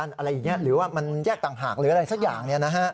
อะไรอย่างนี้หรือว่ามันแยกต่างหากหรืออะไรสักอย่าง